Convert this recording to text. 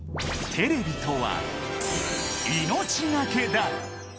テレビとは、命懸けだ！